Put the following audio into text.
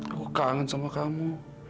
aku kangen sama kamu